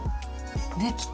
できた！